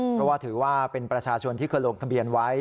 เพราะว่าถือว่าเป็นประชาชนที่เคยลงทะเบียนไว้